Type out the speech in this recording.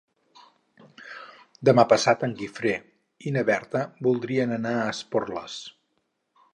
Demà passat en Guifré i na Berta voldrien anar a Esporles.